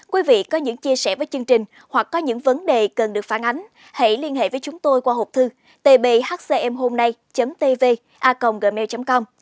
quý vị có những chia sẻ với chương trình hoặc có những vấn đề cần được phản ánh hãy liên hệ với chúng tôi qua hộp thư tbhcmhômnay tv a gmail com